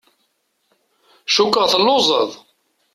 Cukkeɣ telluẓeḍ.